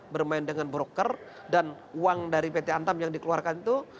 bermain dengan broker dan uang dari pt antam yang dikeluarkan itu